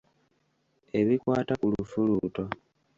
Ebikwata ku lufuluuto.